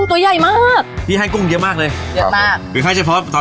โอ้วจะบอกพี่เล็กให้เครื่องแน่นเลยนะ